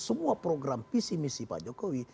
semua program visi misi pak jokowi